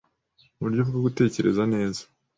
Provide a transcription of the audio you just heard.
Mu buryo bwo gutekereza neza